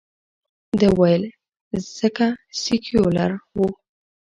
ده ویل، ځکه سیکولر ؤ.